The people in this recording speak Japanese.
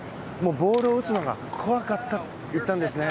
ボールを打つのが怖かったと言ったんですね。